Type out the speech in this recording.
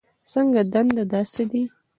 څنګه دنده، دا څه دي؟